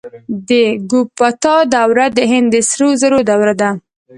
د ګوپتا دوره د هند د سرو زرو دوره وه.